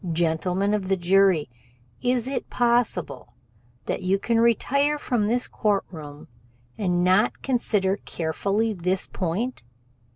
Gentlemen of the Jury, is it possible that you can retire from this court room and not consider carefully this point?